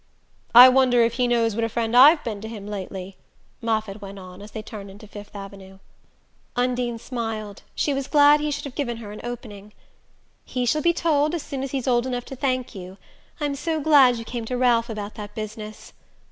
"I wonder if he knows what a friend I've been to him lately," Moffatt went on, as they turned into Fifth Avenue. Undine smiled: she was glad he should have given her an opening. "He shall be told as soon as he's old enough to thank you. I'm so glad you came to Ralph about that business."